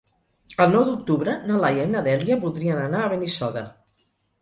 El nou d'octubre na Laia i na Dèlia voldrien anar a Benissoda.